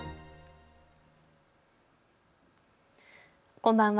こんばんは。